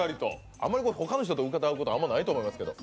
あんまり他の人と歌うことないと思いますけど？